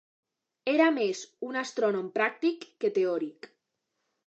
Era més un astrònom pràctic que teòric.